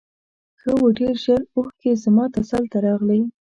ښه و ډېر ژر اوښکې زما تسل ته راغلې.